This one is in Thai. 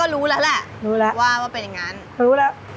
รู้แล้ว